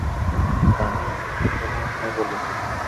তানি, আমি এখনও হ্যাঁ বলিনি।